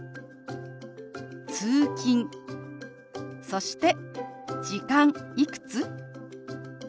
そして「時間」「いくつ？」。